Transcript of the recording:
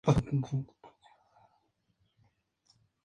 Fue en París donde se enteró de la muerte de su hija Rosita Clara.